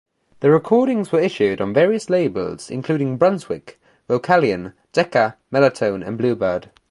The recordings were issued on various labels, including Brunswick, Vocalion, Decca, Melotone and Bluebird.